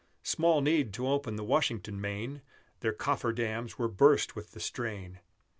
Small need to open the Washington main, Their coffer dams were burst with the strain!